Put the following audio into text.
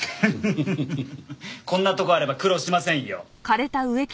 フフフフッこんなとこあれば苦労しませんよ。